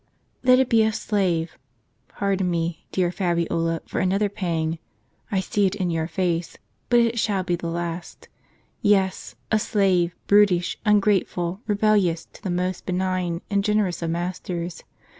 Let it be a slave — pardon me, dear Fabiola, for another pang — I see it in your face, but it shall be the last — yes, a slave brutish, ungrateful, rebellious to the most benign and generous of masters.